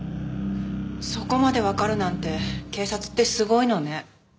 そこまでわかるなんて警察ってすごいのね。